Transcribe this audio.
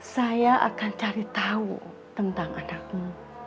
saya akan cari tahu tentang anakmu